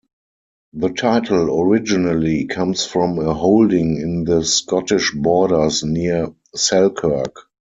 The title originally comes from a holding in the Scottish Borders, near Selkirk.